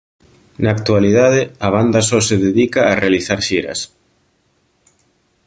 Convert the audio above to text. Na actualidade a banda só se dedica a realizar xiras.